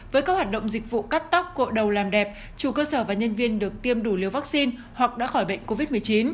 với các hoạt động dịch vụ cắt tóc cội đầu làm đẹp chủ cơ sở và nhân viên được tiêm đủ liều vaccine hoặc đã khỏi bệnh covid một mươi chín